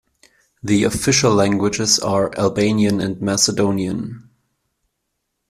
The official languages are Albanian and Macedonian.